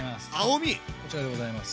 こちらでございます。